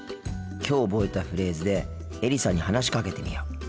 きょう覚えたフレーズでエリさんに話しかけてみよう。